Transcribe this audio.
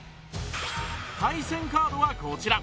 対戦カードはこちら